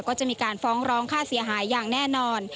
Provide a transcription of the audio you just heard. ก็จะมีการฟ้องร้องค่าเสียหายอย่างแน่นอน